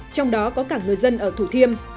trong đó có cả người dân ở thủ thiêm